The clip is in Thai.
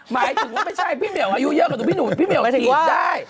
มายถึงว่าไม่ใช่พี่เหมียวอายุเยอะกับหนูพี่เหมียวถีบได้